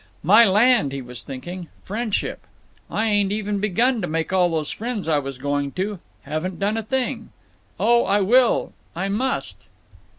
"My land!" he was thinking, "friendship! I ain't even begun to make all those friends I was going to. Haven't done a thing. Oh, I will; I must!"